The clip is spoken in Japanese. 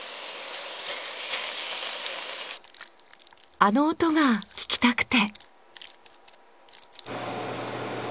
あの音が聞きたくて。